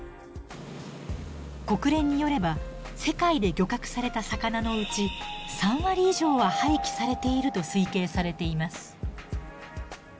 国連によれば世界で漁獲された魚のうち３割以上は廃棄されていると推計されています。